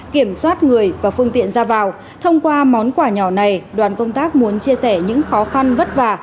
kiểm soát người và phương tiện ra vào thông qua món quà nhỏ này đoàn công tác muốn chia sẻ những khó khăn vất vả